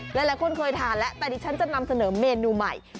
หลายคนเคยทานแล้วแต่ดิฉันจะนำเสนอเมนูใหม่